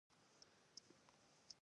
سړي خپلو سترګو ته لاس ونيو.